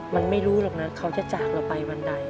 มันไม่รู้หรอกนะเขาจะจากเราไปวันใด